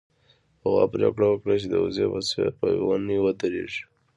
غوا پرېکړه وکړه چې د وزې په څېر په ونې ودرېږي.